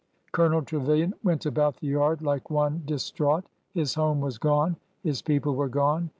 Colonel Trevilian went about the yard like one dis traught. His home was gone. His people were gone.